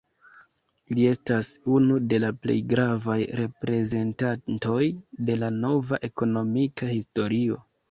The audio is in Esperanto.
Li estas unu de la plej gravaj reprezentantoj de la "nova ekonomika historio".